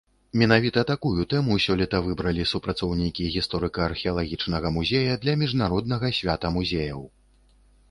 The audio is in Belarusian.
Менавіта такую тэму сёлета выбралі супрацоўнікі гісторыка-археалагічнага музея для міжнароднага свята музеяў.